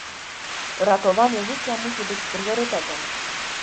ratowanie życia musi być priorytetem